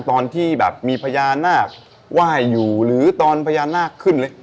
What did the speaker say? ตอนที่แบบมีพญานาคไหว้อยู่หรือตอนพญานาคขึ้นเลย